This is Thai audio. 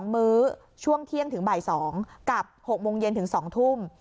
มื้อช่วงเที่ยงถึงบ่าย๒กับ๖โมงเย็นถึง๒ทุ่ม